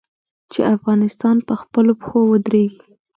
چې افغانستان په خپلو پښو ودریږي.